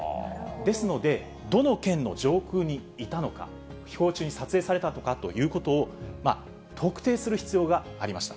ですので、どの県の上空にいたのか、飛行中に撮影されたのかということを特定する必要がありました。